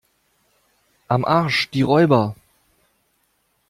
Am Arsch die Räuber!